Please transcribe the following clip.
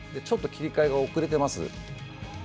ちょっと切り換えが遅れています。